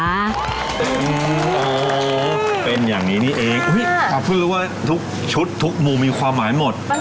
โอ้ยเป็นอย่างนี้นี่เองผมครับคือว่าทุกชุดทุกมูมีความหมายหมด